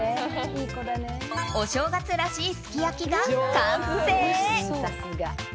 お正月らしいすき焼きが完成！